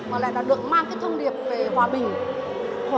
mà lại được mang thông điệp về hòa bình